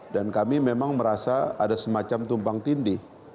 dan kami memang merasa ada semacam tumpang tindih